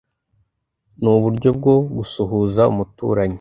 nuburyo bwo gusuhuza umuturanyi